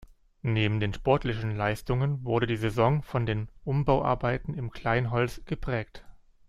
Neben den sportlichen Leistungen, wurde die Saison von den Umbau-Arbeiten im Kleinholz geprägt.